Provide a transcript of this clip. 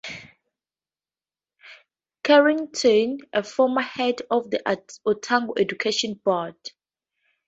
Carrington, a former head of the Otago Education Board.